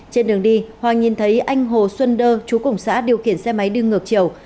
trên đường đi hoàng nhìn thấy anh hồ xuân đơ chú cùng xã điều khiển xe máy đi ngược chiều